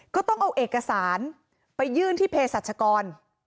ก็ต้องเอาเอกสารไปยื่นที่เพศรัชกร